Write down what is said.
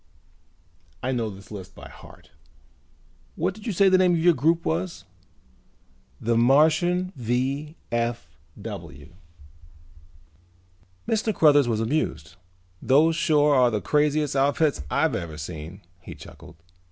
I know this list by heart. What did you say the name of your group was?" "The Martian V.F.W." Mr. Cruthers was amused. "Those sure are the craziest outfits I've ever seen," he chuckled.